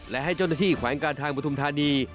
และให้เจ้าหน้าที่แขวงการทางปฐุมธานี